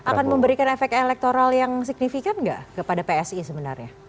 akan memberikan efek elektoral yang signifikan nggak kepada psi sebenarnya